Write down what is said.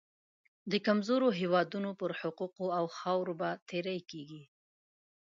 د کمزورو هېوادونو پر حقوقو او خاورې به تیری کېږي.